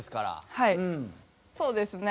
はいそうですね。